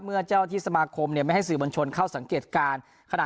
เมื่อเจ้าที่สมาคมเนี่ยไม่ให้สื่อบัญชนเข้าสังเกตการณ์